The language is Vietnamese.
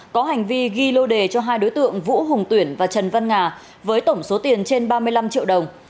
có hành vi ghi lô đề cho hai đối tượng vũ hùng tuyển và trần văn nga với tổng số tiền trên ba mươi năm triệu đồng